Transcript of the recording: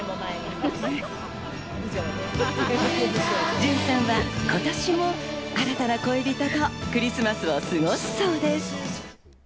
ジュンさんは今年も新たな恋人とクリスマスを過ごすそうです。